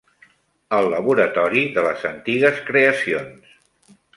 El laboratori de les antigues creacions